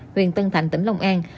huyện tân thạnh tỉnh long an